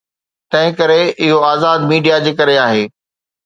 تنهنڪري اهو آزاد ميڊيا جي ڪري آهي.